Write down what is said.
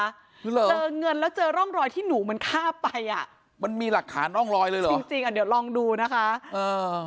เจอเงินแล้วเจอร่องรอยที่หนูมันฆ่าไปอ่ะมันมีหลักฐานร่องรอยเลยเหรอจริงจริงอ่ะเดี๋ยวลองดูนะคะเออ